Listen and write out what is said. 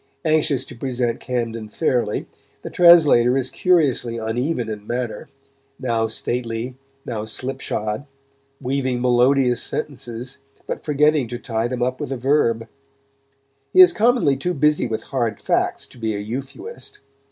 Anxious to present Camden fairly, the translator is curiously uneven in manner, now stately, now slipshod, weaving melodious sentences, but forgetting to tie them up with a verb. He is commonly too busy with hard facts to be a Euphuist.